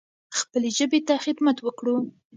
خپلې ژبې ته خدمت وکړو.